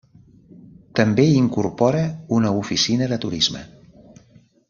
També incorpora una oficina de turisme.